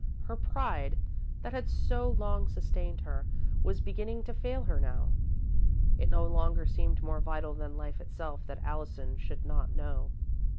Her pride, that had so long sustained her, was beginning to fail her now. It no longer seemed more vital than life itself that Allison should not know.